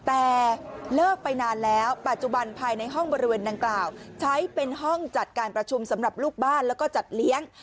แต่เลิกไปนานแล้วปัจจุบันภายในห้องบริเวณดังกล่าวใช้เป็นห้องจัดการประชุมสำหรับลูกบ้านแล้วก็จัดเลี้ยง